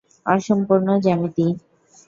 অসম্পূর্ণ জ্যামিতি।